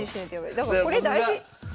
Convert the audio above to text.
だからこれ大事！